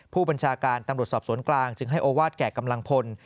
ผู้บัญชาการตำรวจสอบสวนกลางจึงให้โอวาสแก่กำลังพล